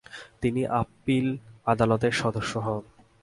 তিনি আপিল আদালতের সদস্য হন।